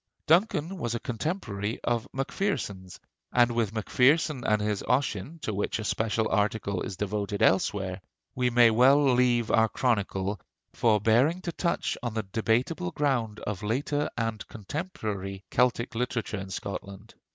Duncan was a contemporary of Macpherson's, and with Macpherson and his 'Ossian,' to which a special article is devoted elsewhere, we may well leave our chronicle, forbearing to touch on the debatable ground of later and contemporary Celtic literature in Scotland.